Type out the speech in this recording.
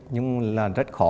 nhưng là rất khó